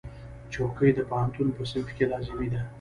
چوکۍ د پوهنتون په صنف کې لازمي ده.